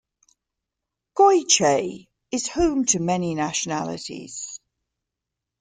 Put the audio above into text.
Goychay is home to many nationalities.